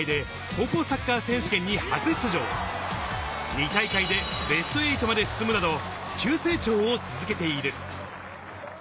２大会でベスト８まで進むなど急成長を続けている。